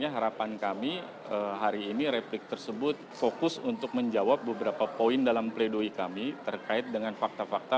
harapan kami hari ini replik tersebut fokus untuk menjawab beberapa poin dalam pledoi kami terkait dengan fakta fakta